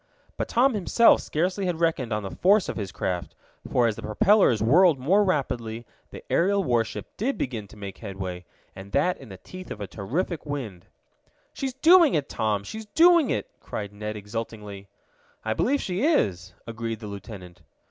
But Tom himself scarcely had reckoned on the force of his craft, for as the propellers whirled more rapidly the aerial warship did begin to make headway, and that in the teeth of a terrific wind. "She's doing it, Tom! She's doing it!" cried Ned exultingly. "I believe she is," agreed the lieutenant.